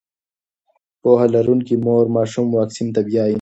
پوهه لرونکې مور ماشوم واکسین ته بیايي.